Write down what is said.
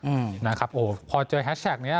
อืมนะครับโอ้พอเจอแฮชแท็กเนี้ย